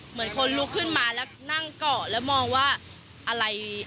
เหมือนคนลุกขึ้นมาแล้วนั่งเกาะแล้วมองว่าอะไร